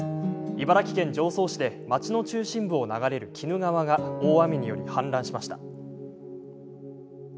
茨城県常総市で町の中心部を流れる鬼怒川が大雨により氾濫しました。